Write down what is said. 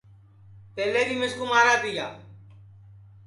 پہلے بی مِسکُو مارا تیا